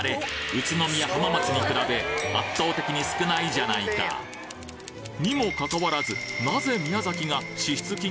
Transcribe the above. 宇都宮浜松に比べ圧倒的に少ないじゃないかにもかかわらずぎょうざの丸岡？